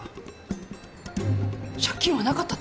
借金はなかったってこと？